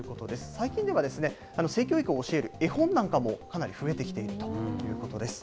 最近では、性教育を教える絵本なんかもかなり増えてきているということです。